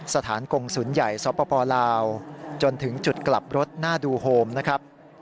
สถานกงศูนย์ใหญ่สปลาวจนถึงจุดกลับรถหน้าดูโฮมนะครับ